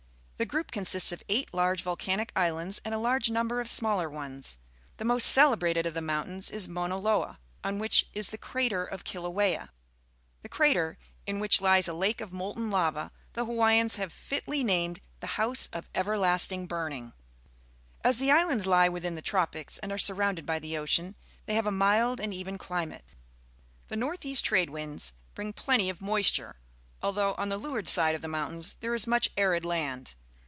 The group consists of eight large volcanic islands and a large number of smaller ones. The most celebrated of the mountains is Mauna Loa, on which is the crater of Kilauea. This crater, in which lies a lake of molten lava, the Hawaiians have fitly named "The House of Everlasting Burning." As the islands he within the tropics and are surrounded by the ocean, they have a mild and even climate. The north east trade winds bring plenty of moisture, although on the leeward side of the mountains there is much arid land.